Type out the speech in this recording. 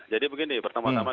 jadi begini pertama tama